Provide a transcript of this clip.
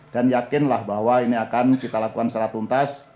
dan yakinlah bahwa ini akan kita lakukan secara tuntas